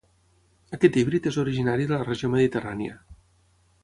Aquest híbrid és originari de la regió mediterrània.